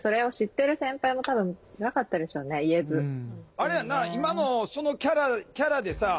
あれやんな今のそのキャラでさ